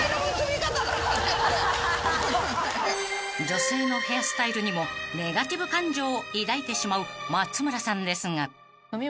［女性のヘアスタイルにもネガティブ感情を抱いてしまう松村さんですが］